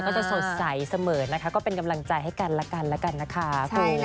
สดใสเสมอนะคะก็เป็นกำลังใจให้กันละกันแล้วกันนะคะ